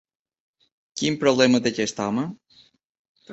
Quin problema té aquest home?